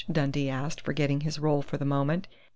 Dundee asked, forgetting his role for the moment.